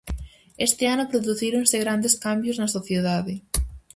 Este ano producíronse grandes cambios na sociedade.